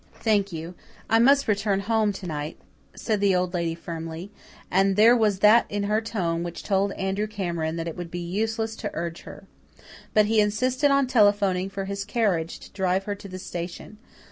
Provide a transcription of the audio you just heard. "Thank you. I must return home to night," said the Old Lady firmly, and there was that in her tone which told Andrew Cameron that it would be useless to urge her. But he insisted on telephoning for his carriage to drive her to the station.